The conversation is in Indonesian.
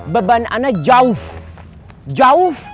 beban ana jauh